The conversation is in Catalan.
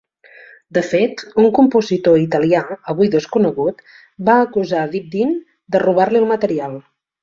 De fet, un compositor italià, avui desconegut, va acusar a Dibdin de robar-li material.